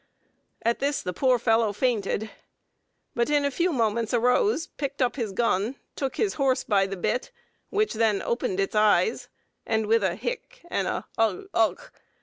At this the poor fellow fainted, but in a few moments arose, picked up his gun, took his horse by the bit, which then opened its eyes, and with a hic and a ugh _ughk!